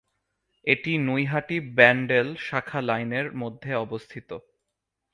এটি নৈহাটি-ব্যাণ্ডেল শাখা লাইনের মধ্যে অবস্থিত।